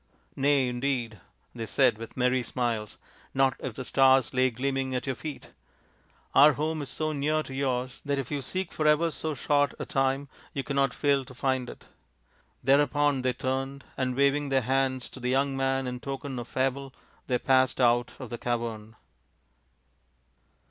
" Nay, indeed," they said with merry smiles, " not if the stars lay gleaming at your feet. Our home is so near to yours that if you seek for ever so short a time you cannot fail to find it." Thereupon they turned, and waving their hands to the young man in token of farewell, they passed out of the cavern.